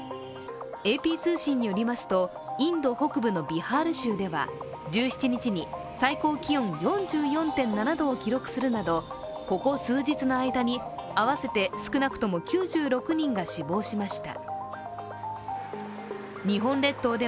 ＡＰ通信によりますと、インド北部のビハール州では１７日に最高気温４４．７度を記録するなどここ数日の間に合わせて少なくとも９６人が死亡しました。